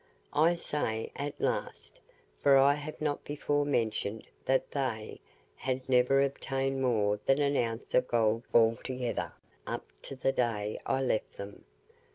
I say AT LAST, for I have not before mentioned that they had never obtained more than an ounce of gold altogether, up to the day I left them.